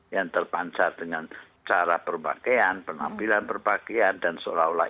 yang terpancar dengan cara berpakaian penampilan berpakaian dan seolah olah